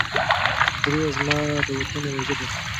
دري زما د وطن يوه ژبه ده.